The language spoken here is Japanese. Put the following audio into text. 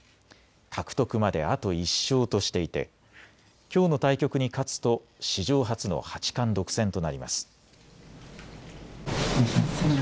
獲得まであと１勝としていてきょうの対局に勝つと史上初の八冠独占となります。